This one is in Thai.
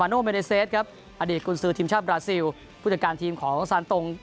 อาจารย์คุณซือทีมชาติบราซิลผู้จัดการทีมของซานตรง